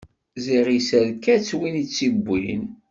Ziɣ yesserka-tt win tt-iwwin.